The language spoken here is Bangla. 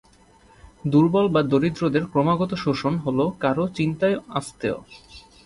দুর্বল বা দরিদ্রদের ক্রমাগত শোষণ হল "কারো চিন্তায় আস্তেয়"।